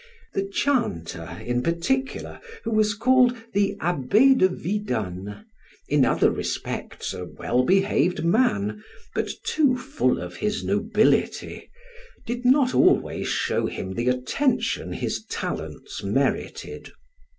The chanter, in particular, who was called the Abbe de Vidonne, in other respects a well behaved man, but too full of his nobility, did not always show him the attention his talents merited.